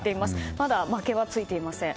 まだ負けはついていません。